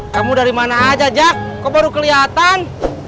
kamu dari mana aja jack kok baru keliatan